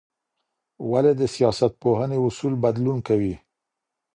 ولي د سياستپوهني اصول بدلون کوي؟